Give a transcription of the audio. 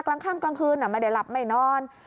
กลางค่ำกลางคืนไม่ได้หลับไม่นอน